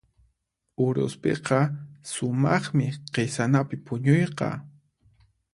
Uruspiqa sumaqmi q'isanapi puñuyqa.